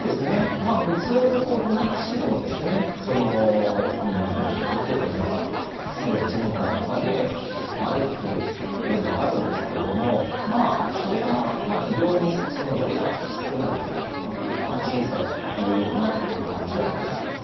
まあ、普通、どんな棋士でもその一局の中とかあるいは１年間の中で出来不出来というのはあるんですけれどもそれが非常にそのぶれが少ないというか小さいというような感じは受けております。